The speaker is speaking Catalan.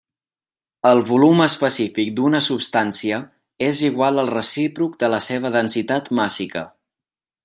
El volum específic d'una substància és igual al recíproc de la seva densitat màssica.